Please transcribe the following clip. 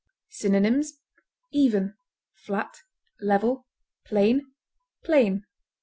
Synonyms: even, flat, level, plain, plane.